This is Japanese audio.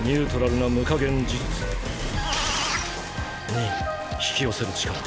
２ 引き寄せる力。